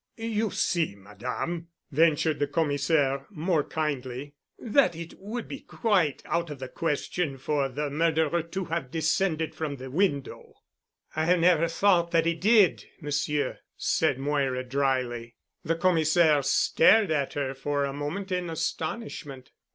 "You see, Madame," ventured the Commissaire more kindly, "that it would be quite out of the question for the murderer to have descended from the window." "I have never thought that he did, Monsieur," said Moira dryly. The Commissaire stared at her for a moment in astonishment.